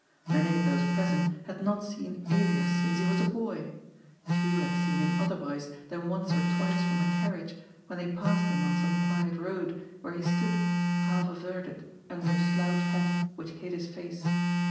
Many of those present had not seen Elias since he was a boy ; few had seen him otherwise than once or twice from a carriage, when they passed him on some quiet road, where he stood, half averted, under a slouch hat which hid his face.